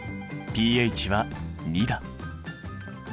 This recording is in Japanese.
ｐＨは２だ。